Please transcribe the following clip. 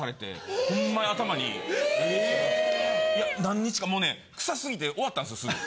・いや何日かもうね臭すぎて終わったんですよすぐ。